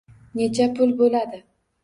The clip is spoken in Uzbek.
Necha pul boʻladi